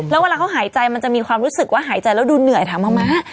แล้วเวลาเขาหายใจมันจะมีความรู้สึกว่าหายใจแล้วดูเหนื่อยถามมะม้า